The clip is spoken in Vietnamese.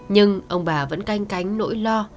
nhưng ông bà vẫn canh cánh nỗi lo